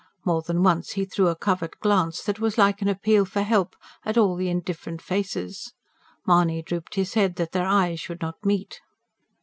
More than once he threw a covert glance, that was like an appeal for help, at all the indifferent faces. Mahony drooped his head, that their eyes should not meet.